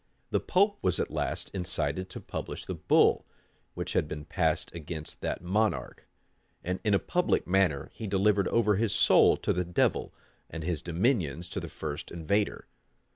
The pope was at last incited to publish the bull which had been passed against that monarch; and in a public manner he delivered over his soul to the devil, and his dominions to the first invader.